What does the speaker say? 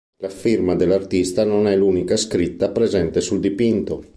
La firma dell'artista non è l'unica scritta presente sul dipinto.